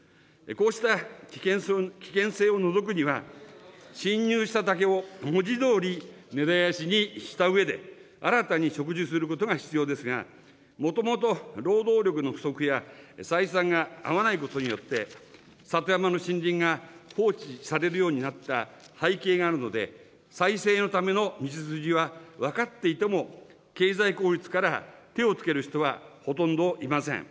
こうした危険性を除くには、しんにゅうした竹を文字どおり、根絶やしにしたうえで、新たに植樹することが必要ですが、もともと労働力の不足や、採算が合わないことによって、里山の森林が放置されるようになった背景があるので、再生のための道筋は分かっていても、経済効率から手を付ける人はほとんどいません。